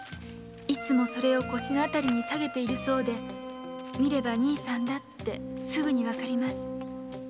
「いつもそれを腰に下げているそうで見れば兄さんだってすぐにわかります」